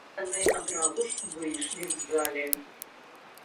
Яны адразу ж выйшлі з залі.